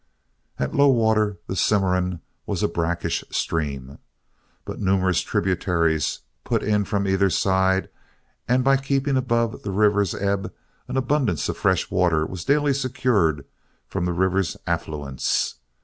At low water the Cimarron was a brackish stream. But numerous tributaries put in from either side, and by keeping above the river's ebb, an abundance of fresh water was daily secured from the river's affluents.